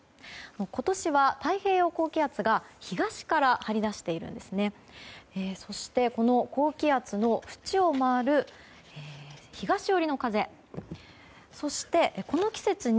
今年は太平洋高気圧が東から張り出しています。